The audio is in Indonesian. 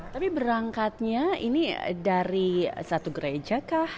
tapi berangkatnya ini dari satu gereja kah